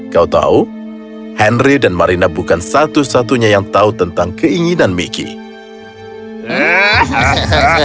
kau tahu henry dan marina bukan satu satunya yang tahu tentang keinginan mickey